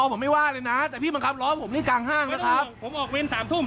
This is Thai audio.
ผมไม่ว่าเลยนะแต่พี่บังคับล้อผมนี่กลางห้างนะครับผมออกเวรสามทุ่ม